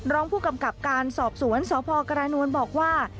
รองผู้กำกับการสอบสวนสพกรณวลบอกว่า